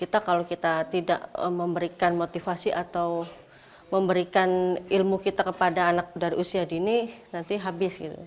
kita kalau kita tidak memberikan motivasi atau memberikan ilmu kita kepada anak dari usia dini nanti habis gitu